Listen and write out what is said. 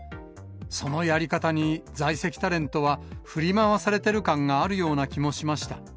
そのやり方に在籍タレントは振り回されてる感があるような気もしました。